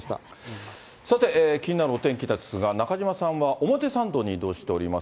さて、気になるお天気ですが、中島さんは表参道に移動しております。